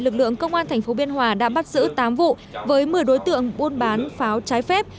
lực lượng công an tp biên hòa đã bắt giữ tám vụ với một mươi đối tượng buôn bán pháo trái phép